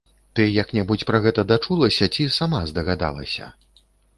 Ты як-небудзь пра гэта дачулася ці сама здагадалася?